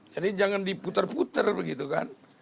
jadi jangan diputar putar begitu kan